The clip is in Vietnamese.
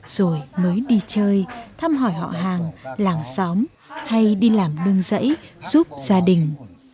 rồi mới đi chơi thăm hỏi họ hàng làm xóm hay đi làm nương rẫy giúp gia đình